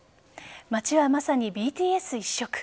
街はまさにＢＴＳ一色。